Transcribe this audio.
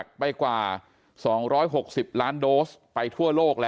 ก็คือเป็นการสร้างภูมิต้านทานหมู่ทั่วโลกด้วยค่ะ